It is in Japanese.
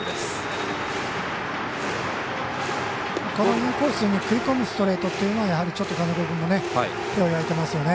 インコースに食い込むストレートは金子君も手を焼いていますよね。